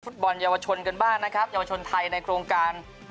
บอลเยาวชนกันบ้างนะครับเยาวชนไทยในโครงการ